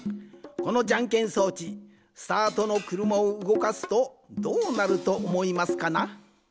このじゃんけん装置スタートのくるまをうごかすとどうなるとおもいますかな？